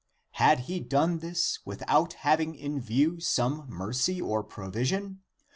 (Had he done this) without having in view some mercy or provision?